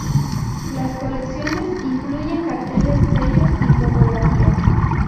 Las Colecciones incluyen carteles, sellos y fotografías.